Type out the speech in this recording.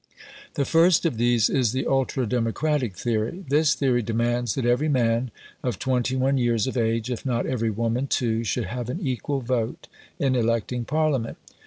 The first of these is the ultra democratic theory. This theory demands that every man of twenty one years of age (if not every woman too) should have an equal vote in electing Parliament.